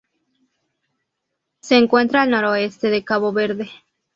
Se encuentra al noroeste de Cabo Verde.